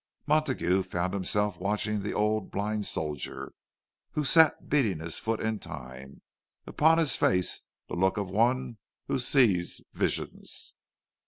Montague found himself watching the old blind soldier, who sat beating his foot in time, upon his face the look of one who sees visions.